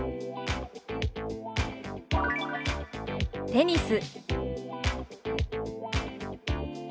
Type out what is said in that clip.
「テニス」。